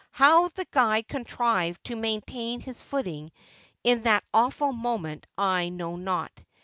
How the guide contrived to main tain his footing in that awful moment I know not.